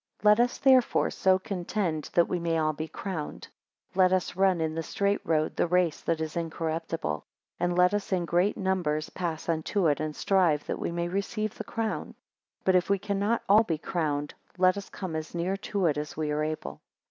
Let us, therefore, so contend, that we may all be crowned. Let us run in the straight road, the race that is incorruptible: and let us in great numbers pass unto it, and strive that we may receive the crown. But if we cannot all be crowned, let us come as near to it as we are able.